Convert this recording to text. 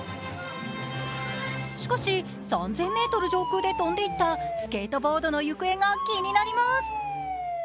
しかし、３０００ｍ上空で飛んでいったスケートボードの行方が気になります。